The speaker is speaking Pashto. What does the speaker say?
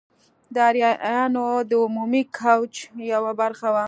د آریایانو د عمومي کوچ یوه برخه وه.